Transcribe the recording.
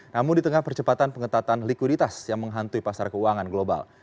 namun di tengah percepatan pengetatan likuiditas yang menghantui pasar keuangan global